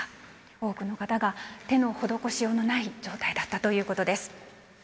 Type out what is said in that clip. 多くの方が手の施しのようのない状態だったということです。